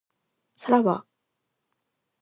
さらば